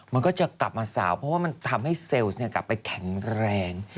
มันก็จะกลับมาสาวเพราะว่ามันทำให้เซลล์กลับไปแข็งแรง